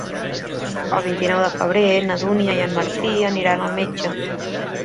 El vint-i-nou de febrer na Dúnia i en Martí aniran al metge.